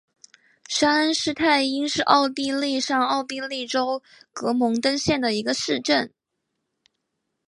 沙恩施泰因是奥地利上奥地利州格蒙登县的一个市镇。